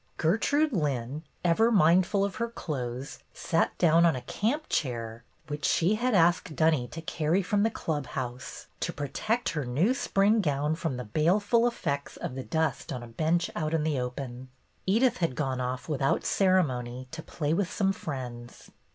Gertrude Lynn, ever mindful of her clothes, sat down on a camp chair which she had asked Dunny to carry from the Club House to protect her BETTY AND THE WEBBIES 53 new spring gown from the baleful effects of the dust on a bench out in the open. Edith had gone off, without ceremony, to play with some friends.